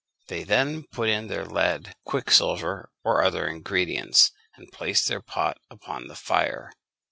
They then put in their lead, quicksilver, or other ingredients, and placed their pot upon the fire.